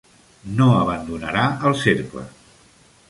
No abandonarà el cercle.